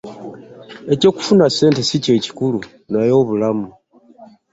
Eky'okufuna ssente sikyekikulu naye obulamu.